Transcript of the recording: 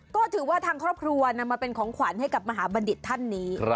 ก็ถือว่าทางครอบครัวนำมาเป็นของขวัญให้กับมหาบัณฑิตท่านนี้